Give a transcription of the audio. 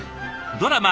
ドラマ